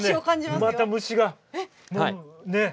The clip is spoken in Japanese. また虫がねえ。